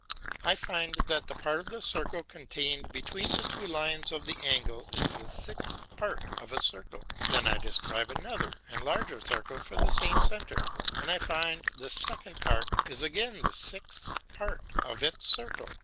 I find that the part of the circle contained between the two lines of the angle is the sixth part of a circle. Then I describe another and larger circle from the same centre, and I find the second arc is again the sixth part of its circle.